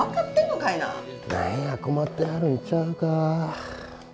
何や困ってはるんちゃうか？